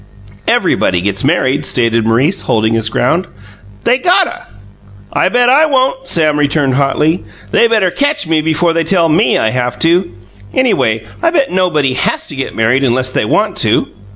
"Everybody gets married," stated Maurice, holding his ground. "They gotta." "I'll bet I don't!" Sam returned hotly. "They better catch me before they tell ME I have to. Anyway, I bet nobody has to get married unless they want to."